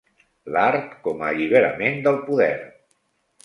L'art com a alliberament del poder.